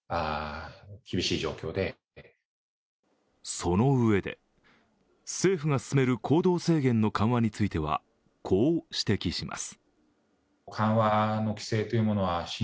そのうえで政府が進める行動制限の緩和についてはこう指摘します。